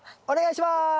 お願いします。